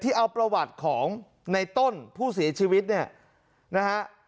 เอาประวัติของในต้นผู้เสียชีวิตเนี่ยนะฮะ